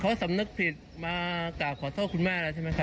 เขาสำนึกผิดมากราบขอโทษคุณแม่แล้วใช่ไหมครับ